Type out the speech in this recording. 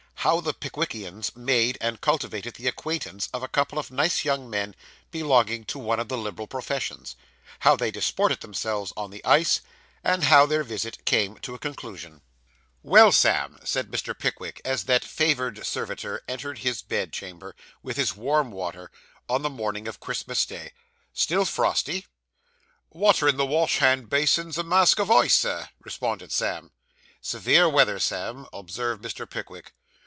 HOW THE PICKWICKIANS MADE AND CULTIVATED THE ACQUAINTANCE OF A COUPLE OF NICE YOUNG MEN BELONGING TO ONE OF THE LIBERAL PROFESSIONS; HOW THEY DISPORTED THEMSELVES ON THE ICE; AND HOW THEIR VISIT CAME TO A CONCLUSION Well, Sam,' said Mr. Pickwick, as that favoured servitor entered his bed chamber, with his warm water, on the morning of Christmas Day, 'still frosty?' 'Water in the wash hand basin's a mask o' ice, Sir,' responded Sam. 'Severe weather, Sam,' observed Mr. Pickwick.